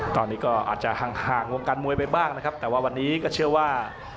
ตอนนี้ก็อาจจะห่างวงการมวยไปบ้างนะครับแต่ว่าวันนี้ก็เชื่อว่า